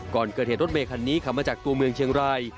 ก่อนเกิดเหตุรถเมคันนี้ขับมาจากตัวเมืองเชียงราย